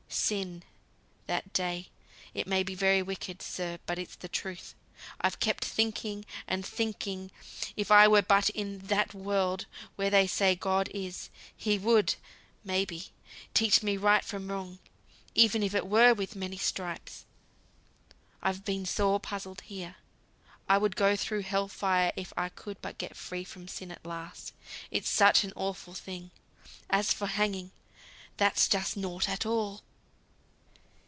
"Sin' that day (it may be very wicked, sir, but it's the truth) I've kept thinking and thinking if I were but in that world where they say God is, He would, may be, teach me right from wrong, even if it were with many stripes. I've been sore puzzled here. I would go through Hell fire if I could but get free from sin at last, it's such an awful thing. As for hanging, that's just nought at all."